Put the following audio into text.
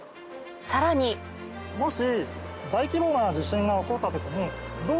さらにもし。